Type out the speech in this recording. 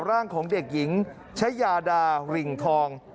ร่างของเด็กหญิงชะยาดาริงทอง